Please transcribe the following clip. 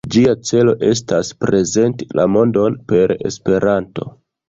Ĝia celo estas "prezenti la mondon per Esperanto".